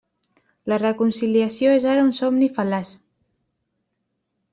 La reconciliació és ara un somni fal·laç.